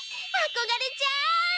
あこがれちゃう！